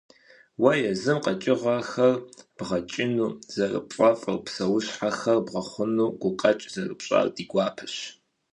Уэ езым къэкӀыгъэхэр бгъэкӀыну зэрыпфӀэфӀыр, псэущхьэхэр бгъэхъуну гукъэкӀ зэрыпщӀар ди гуапэщ.